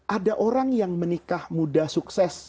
ada orang yang menikah muda sukses